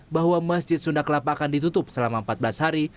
bahwa masjid sunda kelapa akan ditutup selama empat belas hari